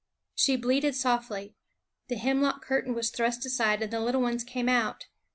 She bleated softly; the hemlock curtain was thrust aside, and the little ones came out.